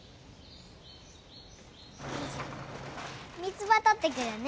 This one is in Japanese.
よいしょ三つ葉取ってくるね。